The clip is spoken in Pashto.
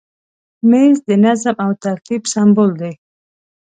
مېز د نظم او ترتیب سمبول دی.